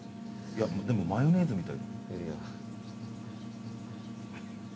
でもマヨネーズみたい。